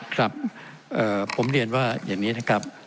ครับผมเรียนว่าอย่างนี้นะครับ